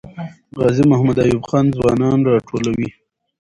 غازي محمد ایوب خان ځوانان راټولوي.